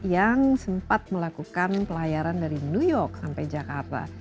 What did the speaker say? yang sempat melakukan pelayaran dari new york sampai jakarta